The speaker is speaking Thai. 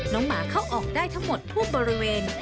หมาเข้าออกได้ทั้งหมดทั่วบริเวณ